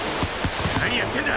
何やってんだ！